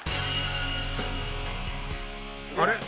あれ？